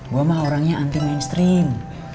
gue mah orangnya anti mainstream